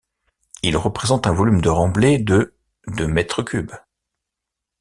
Il représente un volume de remblais de de mètres cubes.